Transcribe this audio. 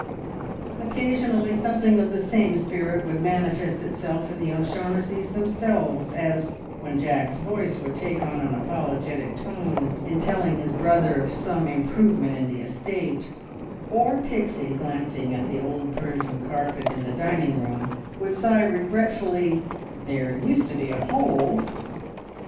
Occasionally something of the same spirit would manifest itself in the O'Shaughnessys themselves, as when Jack's voice would take on an apologetic tone in telling his brother of some improvement in the estate, or Pixie gazing at the old Persian carpet in the dining room would sigh regretfully, "There used to be a hole!"